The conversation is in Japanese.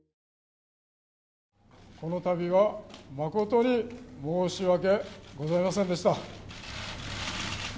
このたびは誠に申し訳ございませんでした。